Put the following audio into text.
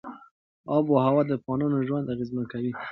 آب وهوا د افغانانو ژوند اغېزمن کوي.